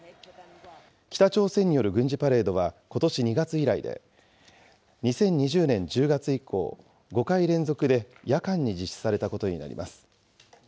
北朝鮮による軍事パレードはことし２月以来で、２０２０年１０月以降、５回連続で夜間に実施されたことになります。